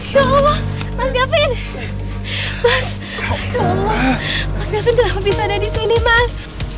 ya allah mas gavin mas ya allah mas gavin kenapa bisa ada disini mas